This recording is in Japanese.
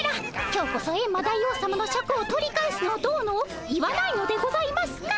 今日こそエンマ大王さまのシャクを取り返すのどうのを言わないのでございますか？